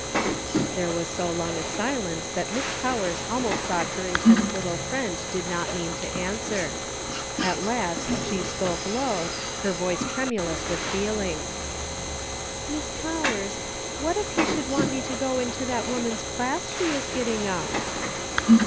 There was so long a silence that Miss Powers almost thought her intense little friend did not mean to answer. At last she spoke low, her voice tremulous with feeling :" Miss Powers, what if He should want me to go into that woman's class she is getting up